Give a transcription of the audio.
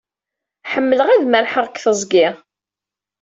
Ḥemmleɣ ad merrḥeɣ deg teẓgi.